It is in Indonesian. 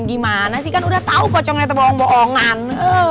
gimana sih kan udah tau kocoknya terbohong bohongan